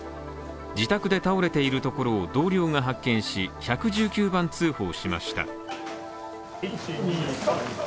自宅で倒れているところを同僚が発見し１１９番通報しました。